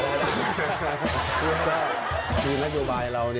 พูดแบบที่นโยบายเรา